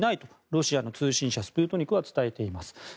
ロシアの通信社スプートニクは伝えています。